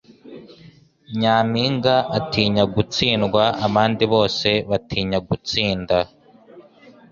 Nyampinga atinya gutsindwa. Abandi bose batinya gutsinda. ”